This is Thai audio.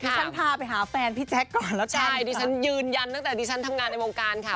ฉันพาไปหาแฟนพี่แจ๊คก่อนแล้วกันใช่ดิฉันยืนยันตั้งแต่ดิฉันทำงานในวงการค่ะ